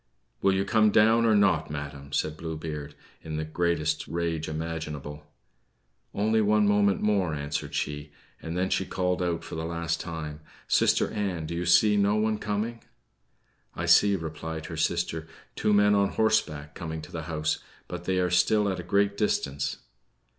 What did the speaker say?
"Will you come down or not, madam?" said Blue Beard, in the greatest rage imaginable. "Only one moment more," answered she. And then she called out for the last time: "Sister Ann! do you see no one coming?" "I see," replied her sister, "two men on horseback coming to the house; but they are still at a great distance."